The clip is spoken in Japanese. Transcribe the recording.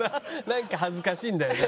なんか恥ずかしいんだよね